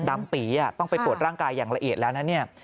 ดำปีต้องไปตรวจร่างกายอย่างละเอียดแล้วนะเนี่ย